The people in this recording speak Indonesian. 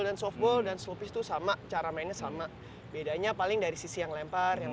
dan softball dan slow pitch itu sama cara mainnya sama bedanya paling dari sisi yang lempar yang